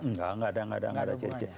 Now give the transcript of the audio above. enggak enggak ada cerita